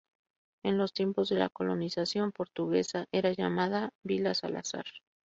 En los tiempos de la colonización portuguesa era llamada Vila Salazar.